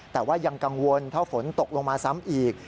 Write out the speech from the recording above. แต่ว่ายังกังวลถ้าฝนตกลงมาซ้ำอีก